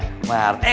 gak ada yang ngerasain